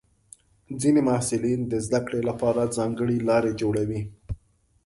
ځینې محصلین د زده کړې لپاره ځانګړې لارې جوړوي.